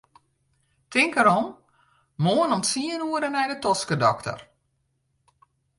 Tink derom, moarn om tsien oere nei de toskedokter.